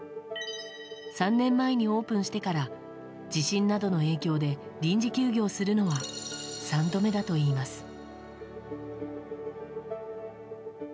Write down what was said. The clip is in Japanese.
３年前にオープンしてから地震などの影響で臨時休業するのは３度目だといいます。